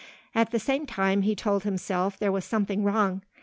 At the same time he told himself there was something wrong.